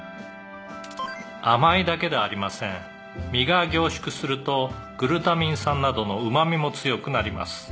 「甘いだけではありません」「実が凝縮するとグルタミン酸などのうまみも強くなります」